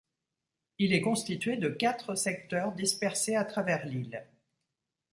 Il est constitué de quatre secteurs dispersés à travers l'île.